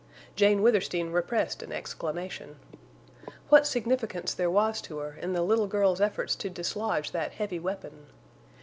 Jane Withersteen repressed an exclamation. What significance there was to her in the little girl's efforts to dislodge that heavy weapon!